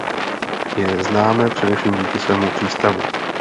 Je známé především díky svému přístavu.